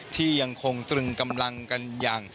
ที่ยังคงตรึงกำลังกันอย่าง